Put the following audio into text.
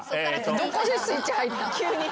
どこでスイッチ入った？